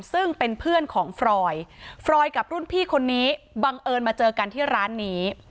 ซึ่งเป็นเพื่อนของฟรอยฟรอยกับรุ่นพี่คนนี้บังเอิญมาเจอกันที่ร้านนี้